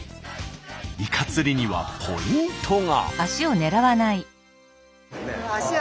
イカ釣りにはポイントが。